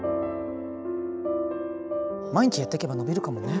毎日やってけば伸びるかもね。